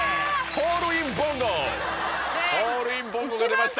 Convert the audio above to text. ホールインぼんごが出ました。